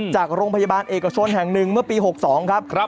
จากโรงพยาบาลเอกชนแห่งหนึ่งเมื่อปี๖๒ครับ